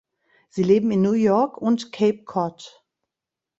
Sie leben in New York und Cape Cod.